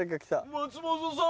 松本さん。